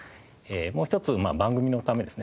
もう一つは番組のためですね。